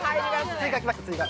追加来ました追加。